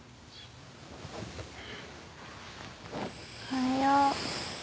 おはよう。